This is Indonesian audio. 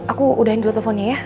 aku udah andre teleponnya ya